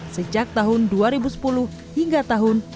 sejak tahun dua ribu sepuluh hingga tahun dua ribu dua